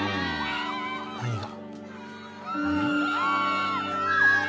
何が。